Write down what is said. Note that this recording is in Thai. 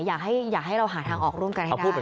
อยากให้เราหาทางออกร่วมกันให้ได้